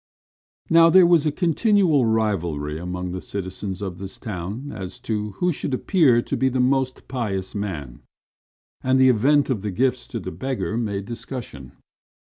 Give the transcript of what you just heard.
Now there was a continual rivalry among the citizens of this town as to who should appear to be the most pious man, and the event of the gifts to the beggar made discussion.